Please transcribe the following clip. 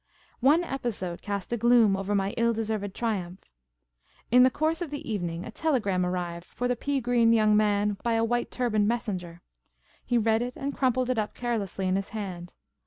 One episode cast a gloom over my ill deserved triumph. In the course of the evening, a telegram arrived for the pea green young man by a white turbaned messenger. He read it, and crumpled it up carelessly in his hand.